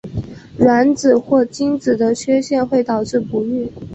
卵子或精子的缺陷会导致不育。